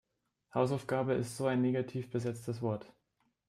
Hausaufgabe ist so ein negativ besetztes Wort.